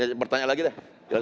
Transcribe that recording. eh pertanyaan lagi deh